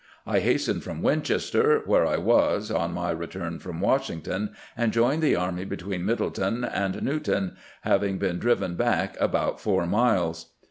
I hastened from Winchester, where I was on my return from Washington, and joined the army between Middletown and Newtown, having been driven back about four miles.'"